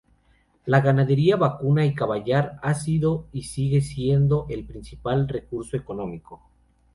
La ganadería vacuna y caballar ha sido y sigue siendo el principal recurso económico.